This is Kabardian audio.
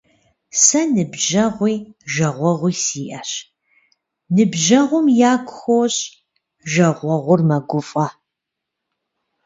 Сэ ныбжьэгъуи жагъуэгъуи сиӏэщ. Ныбжьэгъум ягу хощӏ, жагъуэгъур мэгуфӏэ.